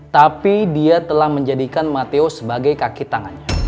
tapi dia telah menjadikan mateo sebagai kaki tangannya